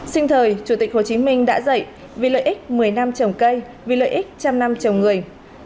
sinh thời chủ tịch hồ chí minh đã dạy vì lợi ích một mươi năm trồng cây vì lợi ích trăm năm trồng người